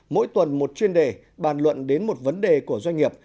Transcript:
mỗi tuần một chuyên đề bàn luận đến một vấn đề của doanh nghiệp